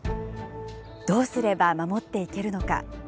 どうすれば守っていけるのか。